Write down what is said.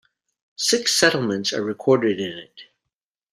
Six settlements are recorded in it.